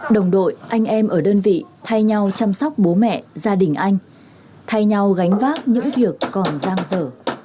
đồng đội anh em ở đơn vị thay nhau chăm sóc bố mẹ gia đình anh thay nhau gánh vác những việc còn giang dở